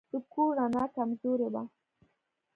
د کور رڼا کمزورې وه.